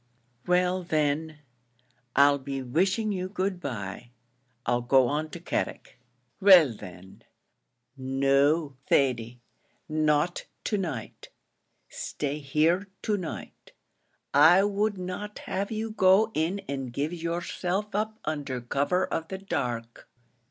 "Well, then, I'll be wishing you good bye; I'll go on to Carrick." "No, Thady, not to night; stay here to night. I would not have you go in and give yourself up under cover of the dark.